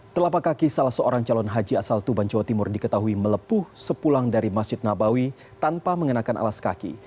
telapak kaki salah seorang calon haji asal tuban jawa timur diketahui melepuh sepulang dari masjid nabawi tanpa mengenakan alas kaki